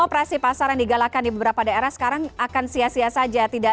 operasi pasar yang digalakan di beberapa daerah sekarang akan sia sia saja